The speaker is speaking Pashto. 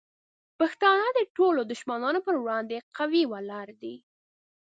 پښتانه د ټولو دشمنانو پر وړاندې قوي ولاړ دي.